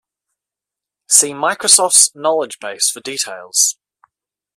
See Microsoft's knowledge base for details.